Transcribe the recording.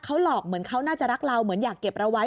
เขาหลอกเหมือนเขาน่าจะรักเราเหมือนอยากเก็บเราไว้